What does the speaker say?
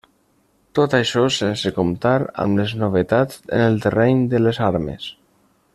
Tot això sense comptar amb les novetats en el terreny de les armes.